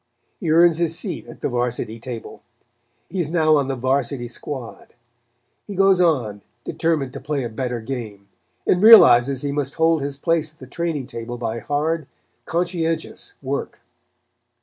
He earns his seat at the Varsity table. He is now on the Varsity squad. He goes on, determined to play a better game, and realizes he must hold his place at the training table by hard, conscientious work.